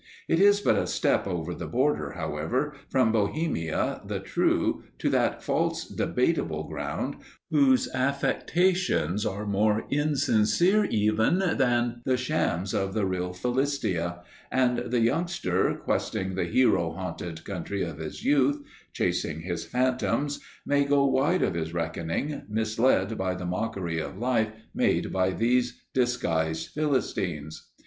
It is but a step over the border, however, from Bohemia the true to that false Debatable Ground whose affectations are more insincere even than the shams of the real Philistia, and the youngster, questing the hero haunted country of his youth, chasing his phantoms, may go wide of his reckoning, misled by the mockery of life made by these disguised Philistines.